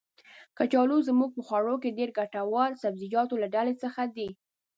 کچالو زمونږ په خواړو کې د ګټور سبزيجاتو له ډلې څخه دی.